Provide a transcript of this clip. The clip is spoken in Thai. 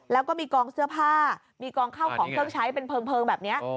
แล้วก็มีกองเสื้อผ้ามีกองเข้าของเครื่องใช้เป็นเพลิงแบบนี้